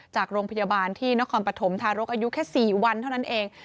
จากโรงพยาบาลที่นครปฐมทารกอายุแค่๔วันเท่านั้นเอง